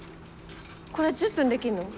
これ１０分できるの？